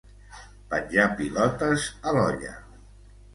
Penjar pilotes a l'olla.